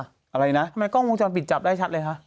ทำไมกล้องวงจรปิดจับได้ชัดเลยคะ